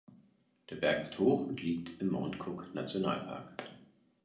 Der Berg ist hoch und liegt im Mount-Cook-Nationalpark.